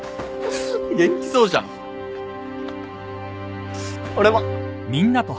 元気そうじゃん。俺も！